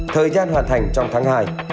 thời gian hoàn thành trong tháng hai